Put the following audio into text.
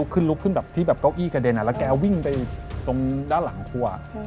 ขึ้นลุกขึ้นแบบที่แบบเก้าอี้กระเด็นแล้วแกวิ่งไปตรงด้านหลังครัว